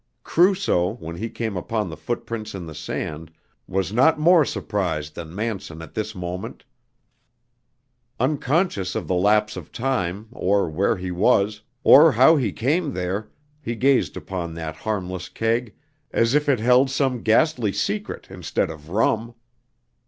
Crusoe, when he came upon the footprints in the sand, was not more surprised than Manson at this moment. Unconscious of the lapse of time, or where he was, or how he came there, he gazed upon that harmless keg as if it held some ghastly secret instead of rum!